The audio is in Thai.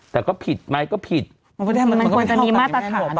แต่ก็ผิดไหมมันก็เป็นผิด